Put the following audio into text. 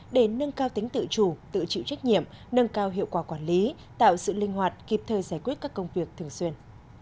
để nâng cao tính tự chủ tự chịu trách nhiệm nâng cao hiệu quả quản lý tạo sự linh hoạt kịp thời giải quyết các công việc thường xuyên